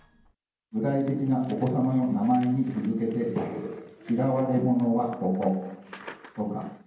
具体的なお子様の名前に続けて、嫌われ者はこことか。